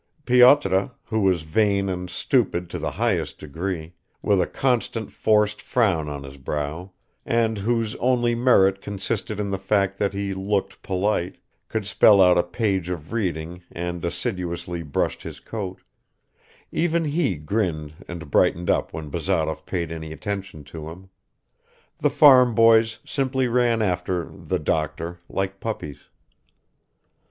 Pyotr, who was vain and stupid to the highest degree, with a constant forced frown on his brow, and whose only merit consisted in the fact that he looked polite, could spell out a page of reading and assiduously brushed his coat even he grinned and brightened up when Bazarov paid any attention to him; the farm boys simply ran after "the doctor" like puppies.